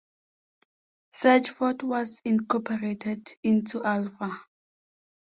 Sedgeford was incorporated into Alpha.